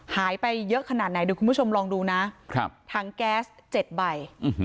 หายไปเยอะขนาดไหนดูคุณผู้ชมลองดูนะครับถังแก๊สเจ็ดใบ